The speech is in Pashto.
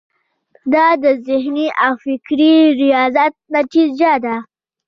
دا د ذهني او فکري ریاضت نتیجه ده.